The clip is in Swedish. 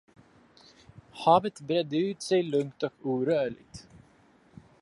Havet bredde ut sig lugnt och orörligt.